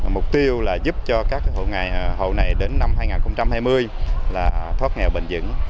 mục tiêu là giúp cho các hộ này đến năm hai nghìn hai mươi là thoát nghèo bình dững